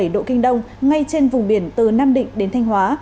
một trăm linh sáu bảy độ kinh đông ngay trên vùng biển từ nam định đến thanh hóa